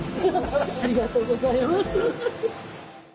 ありがとうございます。